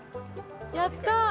やったー